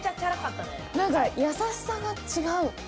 何か優しさが違う。